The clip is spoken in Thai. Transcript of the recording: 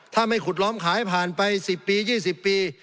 ถ้าไม้ขุดล้อมขายผ่านไปสิบปียี่สิบปี